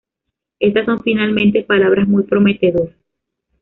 Estas son finalmente palabras muy prometedoras.